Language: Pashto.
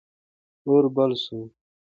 اور بل سو.